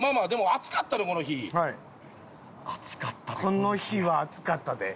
「この日は暑かったで」？